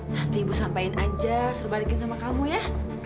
nanti ibu sampein aja suruh balikin sama kamu ya